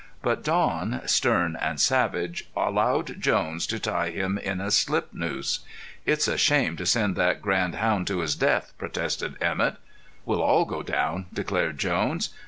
But Don, stern and savage, allowed Jones to tie him in a slip noose. "It's a shame to send that grand hound to his death," protested Emett. "We'll all go down," declared Jones.